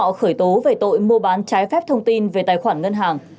phú thọ khởi tố về tội mua bán trái phép thông tin về tài khoản ngân hàng